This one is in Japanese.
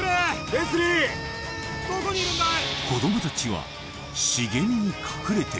レスリー・どこにいるんだい？